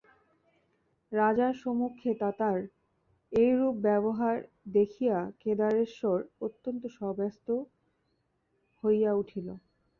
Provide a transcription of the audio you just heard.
রাজার সম্মুখে তাতার এইরূপ ব্যবহার দেখিয়া কেদারেশ্বর অত্যন্ত শশব্যস্ত হইয়া উঠিল।